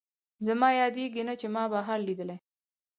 زما یادېږي نه، چې ما بهار لیدلی